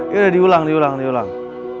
ya udah diulang diulang